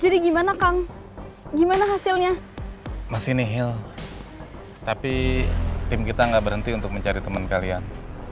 jadi gimana kang gimana hasilnya masih nihil tapi tim kita nggak berhenti untuk mencari temen kalian